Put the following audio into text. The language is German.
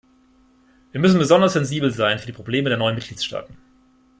Wir müssen besonders sensibel sein für die Probleme der neuen Mitgliedstaaten.